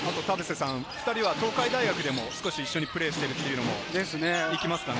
２人は東海大でも一緒にプレーしているのも生きますかね？